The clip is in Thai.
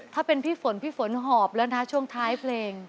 ถ้าเป็นพี่ฝนพี่ฝนหอบแล้วนะช่วงท้ายเพลง